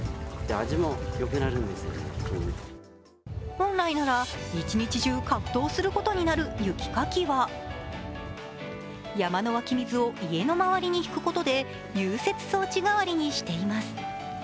本来なら一日中葛藤することになる雪かきは山の湧き水を家の周りに引くことで融雪装置代わりにしています。